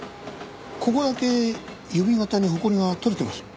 ここだけ指形に埃が取れてます。